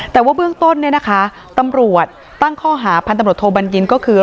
แต่ว่าเบื้องต้นเนี่ยนะคะตำรวจตั้งข้อหาพันตำรวจโทบัญญินก็คือ